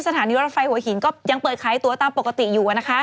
สถานการณ์รถไฟหัวหินยังเปิดขายตัวตามปกติอยู่